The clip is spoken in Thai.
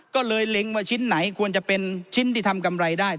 ก็เลยเล็งว่าชิ้นไหนควรจะเป็นชิ้นที่ทำกำไรได้